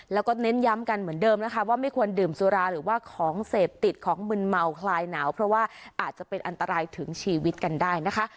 แล้วก็เน้นย้ำกันเหมือนเดิมนะคะว่าไม่ควรดื่มสุราหรือว่าของเสพติดของมึนเมาคลายหนาวเพราะว่าอาจจะเป็นอันตรายถึงชีวิตกันได้นะคะ